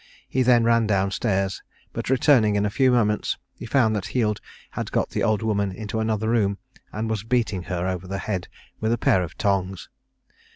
He then ran down stairs, but returning in a few moments, he found that Heald had got the old woman into another room, and was beating her over the head with a pair of tongs.